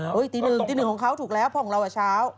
เช้าตี๑ตี๑ของเขาถูกแล้วของเราเช้า